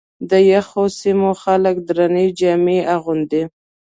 د یخو سیمو خلک درنې جامې اغوندي.